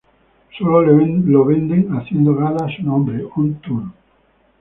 Sólo lo venden haciendo gala a su nombre 'On Tour'.